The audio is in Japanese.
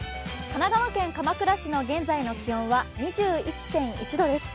神奈川県鎌倉市の現在の気温は２１．１度です。